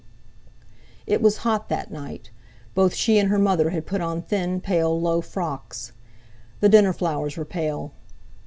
It was hot that night. Both she and her mother had put on thin, pale low frocks. The dinner flowers were pale.